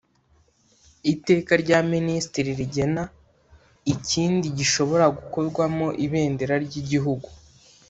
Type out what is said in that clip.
iteka rya minisitiri rigena ikindi gishobora gukorwamo ibendera ry igihugu